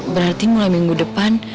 berarti mulai minggu depan